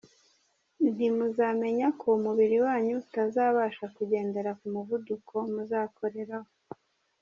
Nti muzamenya ko umubiri wanyu utazabasha kugendera ku muvuduko muzakoreraho.